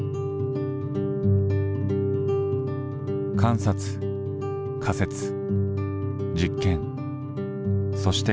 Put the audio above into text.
観察仮説実験そして考察。